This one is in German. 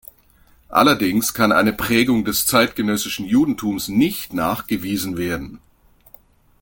Allerdings kann eine Prägung des zeitgenössischen Judentums nicht nachgewiesen werden.